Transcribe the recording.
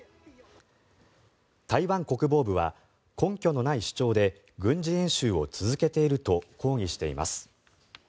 台湾国防部は根拠のない主張で軍事演習を続けていると抗議しています。